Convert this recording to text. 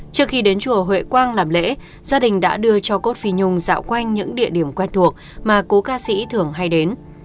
trước khi đến chùa huệ quang làm lễ gia đình đã đưa cho cốt phi nhung dạo quanh những địa điểm quen thuộc mà cố ca sĩ thường hay đến